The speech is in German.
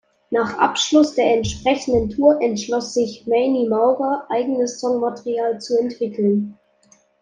Nach Abschluss der entsprechenden Tour entschloss sich Many Maurer eigenes Songmaterial zu entwickeln.